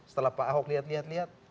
setelah pak ahok lihat lihat